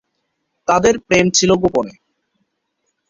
তাঁদের প্রেম ছিল গোপন।